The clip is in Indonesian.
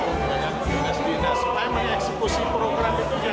kalau ada yang kurang dari sisi arusan kita perbaiki aturannya